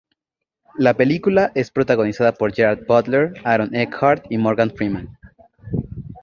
La película es protagonizada por Gerard Butler, Aaron Eckhart y Morgan Freeman.